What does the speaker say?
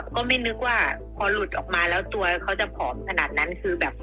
ก็ไม่นึกว่าพอหลุดออกมาแล้วตัวเขาจะผอมขนาดนั้นคือแบบ